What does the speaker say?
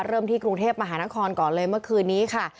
ที่กรุงเทพมหานครก่อนเลยเมื่อคืนนี้ค่ะ